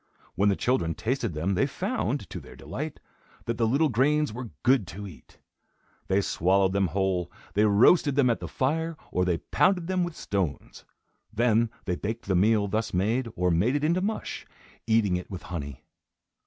When the children tasted them, they found, to their delight, that the little grains were good to eat. They swallowed them whole, they roasted them at the fire, or they pounded them with stones. Then they baked the meal thus made or made it into mush, eating it with honey.